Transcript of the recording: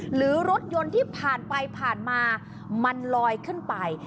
หรือรถยนต์ที่ผ่านไปผ่านมามันลอยขึ้นไป